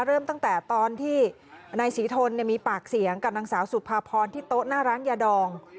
เริ่มตั้งแต่ตอนที่นายศรีทนมีปากเสียงกับนางสาวสุภาพรที่โต๊ะหน้าร้านยาดอง